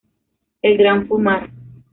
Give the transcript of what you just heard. El Gran Fumar.